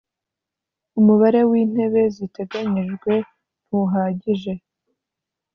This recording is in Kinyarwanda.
umubare w ‘intebe ziteganyijwe ntuhagije.